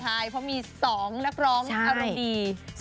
ใช่เพราะมี๒นักร้องอารมณ์ดี